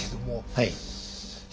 はい。